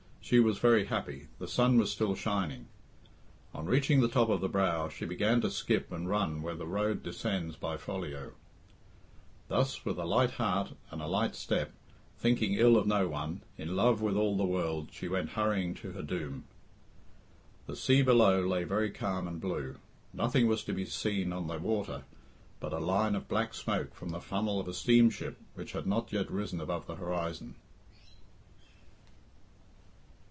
She was very happy. The sun was still shining. On reaching the top of the brow, she began to skip and run where the road descends by Folieu. Thus, with a light heart and a light step, thinking ill of no one, in love with all the world, she went hurrying to her doom. The sea below lay very calm and blue. Nothing was to be seen on the water but a line of black smoke from the funnel of a steamship which had not yet risen above the horizon.